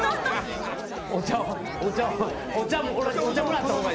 お茶をお茶をお茶もらった方が。